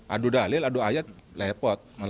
adu dalil adu ayat lepot